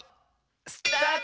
スタート！